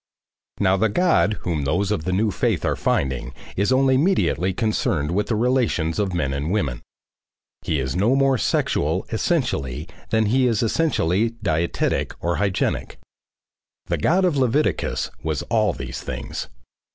Now the God whom those of the new faith are finding is only mediately concerned with the relations of men and women. He is no more sexual essentially than he is essentially dietetic or hygienic. The God of Leviticus was all these things.